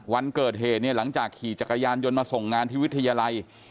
วันเกิดเหตุเนี่ยหลังจากขี่จักรยานยนต์มาส่งงานที่วิทยาลัย